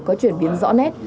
có chuyển biến rõ nét